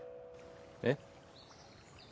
えっ？